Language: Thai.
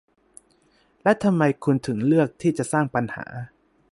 และทำไมคุณถึงเลือกที่จะสร้างปัญหา